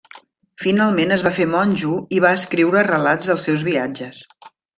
Finalment es va fer monjo i va escriure relats dels seus viatges.